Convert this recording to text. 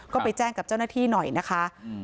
ก็ไปแจ้งกับเจ้าหน้าที่หน่อยนะคะ